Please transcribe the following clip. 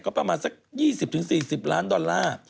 ก็ประมาณสัก๒๐๔๐ล้านดอลลาร์